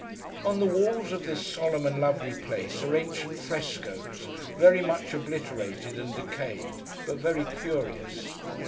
On the walls of this solemn and lovely place, are ancient frescoes, very much obliterated and decayed, but very curious.